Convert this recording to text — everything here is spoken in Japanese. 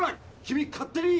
君勝手に。